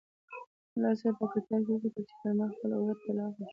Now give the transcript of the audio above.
ملا صاحب په کتاب کې وکتل چې پر ما خپله عورته طلاقه شوه.